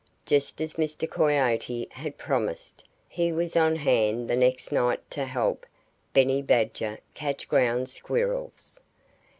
Just as Mr. Coyote had promised, he was on hand the next night to "help" Benny Badger catch Ground Squirrels.